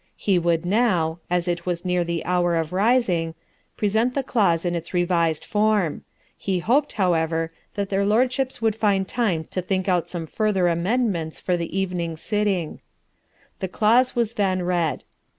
He would now, as it was near the hour of rising, present the clause in its revised form. He hoped, however, that their Lordships would find time to think out some further amendments for the evening sitting. The clause was then read.